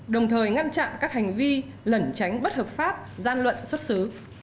đồng thời ngăn chặn các hành vi lẩn tránh bất hợp pháp gian luận xuất xứ